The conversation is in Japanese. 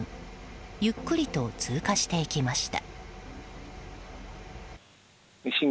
ゆっくりと通過していきました。